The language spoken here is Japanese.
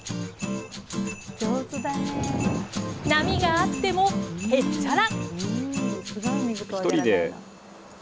波があっても、へっちゃら。